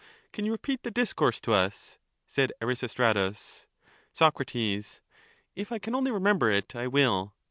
Can you repeat the discourse to us? said Erasistratus. Soc. If I can only remember it, I will.